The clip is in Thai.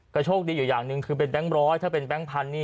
ก็โชคดีอยู่อย่างหนึ่งคือเป็นแบงค์ร้อยถ้าเป็นแก๊งพันนี่